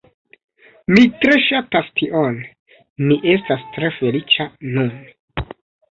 Mi tre ŝatas tion, mi estas tre feliĉa nun